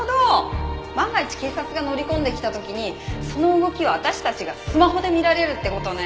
万が一警察が乗り込んできた時にその動きを私たちがスマホで見られるって事ね。